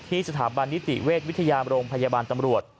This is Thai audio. สถาบันนิติเวชวิทยาโรงพยาบาลตำรวจ